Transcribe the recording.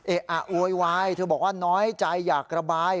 อะโวยวายเธอบอกว่าน้อยใจอยากระบาย